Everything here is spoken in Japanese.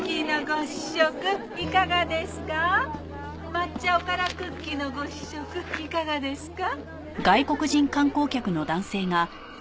抹茶おからクッキーのご試食いかがですか？